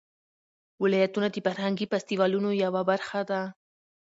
ولایتونه د فرهنګي فستیوالونو یوه برخه ده.